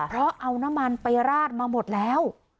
เพราะเอาน้ำมันไปราดมาหมดแล้ว